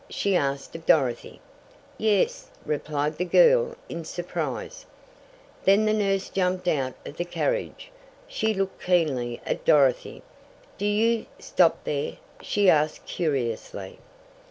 she asked of Dorothy. "Yes," replied the girl in surprise. Then the nurse jumped out of the carriage. She looked keenly at Dorothy. "Do you stop there?" she asked curiously.